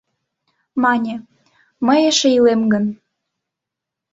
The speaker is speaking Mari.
Мане: «Мый эше илем гын